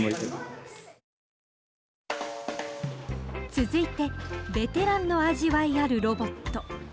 続いてベテランの味わいあるロボット。